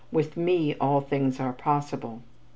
With me, all things are possible!"